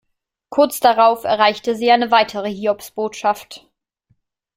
Kurz darauf erreichte sie eine weitere Hiobsbotschaft.